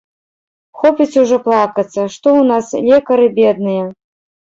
Хопіць ужо плакацца, што ў нас лекары бедныя.